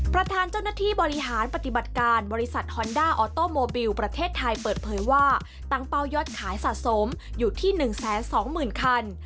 ประธานเจ้าหน้าที่บริหารปฏิบัติการบริษัทฮอนด้าออโต้โมบิลประเทศไทยเปิดเผยว่าตั้งเป้ายอดขายสะสมอยู่ที่๑๒๐๐๐คัน